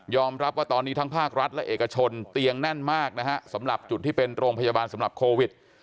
รับว่าตอนนี้ทั้งภาครัฐและเอกชนเตียงแน่นมากนะฮะสำหรับจุดที่เป็นโรงพยาบาลสำหรับโควิด